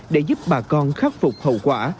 để giúp bà con khắc phục hậu quả